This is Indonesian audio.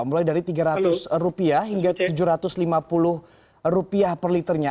mulai dari rp tiga ratus hingga rp tujuh ratus lima puluh per liternya